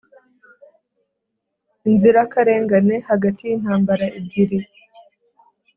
inzirakarengane hagati y'intambara ebyiri,